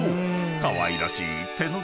［かわいらしい］